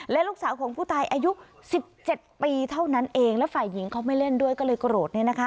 และลูกสาวของผู้ตายอายุ๑๗ปีเท่านั้นเองแล้วฝ่ายหญิงเขาไม่เล่นด้วยก็เลยโกรธ